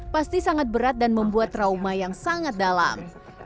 pasti sangat berat dan membuat trauma yang sangat dalam